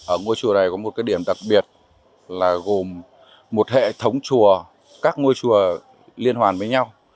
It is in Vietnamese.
ở ngôi chùa này có một cái điểm đặc biệt là gồm một hệ thống chùa các ngôi chùa liên hoàn với nhau